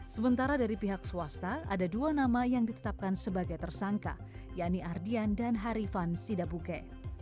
sementara dari pihak swasta ada dua nama yang ditetapkan sebagai tersangka yakni ardian dan harifan sidabuke